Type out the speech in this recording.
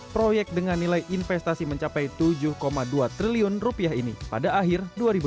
proyek dengan nilai investasi mencapai rp tujuh dua triliun ini pada akhir dua ribu tujuh belas